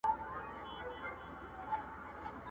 نن به یاد سي په لنډیو کي نومونه!!